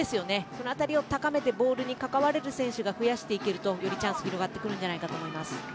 そのあたりを高めてボールに関われる選手を増やしていけるとよりチャンスになってくると思います。